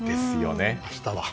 明日は。